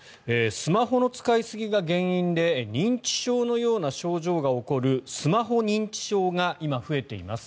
スマホの使いすぎが原因で認知症のような症状が起こるスマホ認知症が今、増えています。